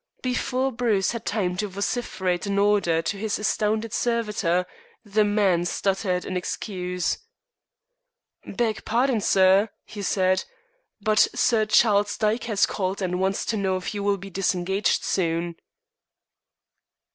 Before Bruce had time to vociferate an order to his astounded servitor the man stuttered an excuse: "Beg pardon, sir," he said, "but Sir Charles Dyke has called, and wants to know if you will be disengaged soon."